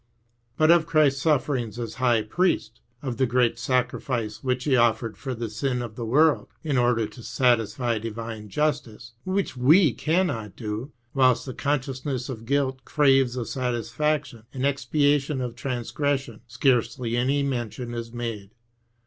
But of Ciu^Ist's sufferiufrs as High Priest, of the great sacrifice which He offered for the sin of the world, In order to satisfy divine justice, which we cannot do, whilst the consciousness of guilt craves a satisfaction, an expia tion of transgression, scarcely any mention is made.